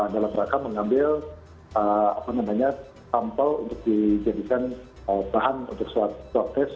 dalam rangka mengambil sampel untuk dijadikan bahan untuk swab test